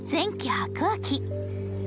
白亜紀